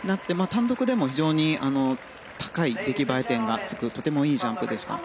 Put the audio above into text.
単独でも非常に高い出来栄え点がつくとてもいいジャンプでした。